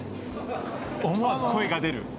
思わず声が出る。